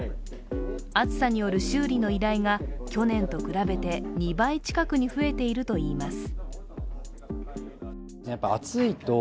暑さによる修理の依頼が、去年と比べて２倍近くに増えているといいます。